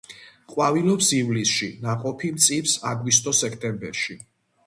ყვავილობს ივლისში, ნაყოფი მწიფს აგვისტო-სექტემბერში.